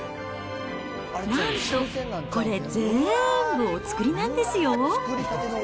なんとこれ、ぜーんぶお造りなんですよ。